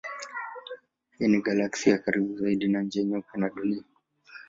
Hii ni galaksi ya karibu zaidi na Njia Nyeupe na Dunia.